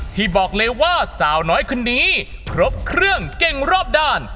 ที่บอกเลยว่าสาวน้อยคนนี้ครบเครื่องเก่งรอบด้าน